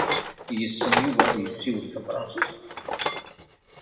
Yessen Yuba ad yessiwel tafṛansit?